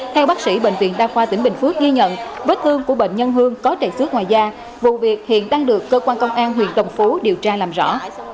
theo bác sĩ bệnh viện đa khoa tỉnh bình phước ghi nhận vết thương của bệnh nhân hương có trẻ xước ngoài da vụ việc hiện đang được cơ quan công an huyện đồng phú điều tra làm rõ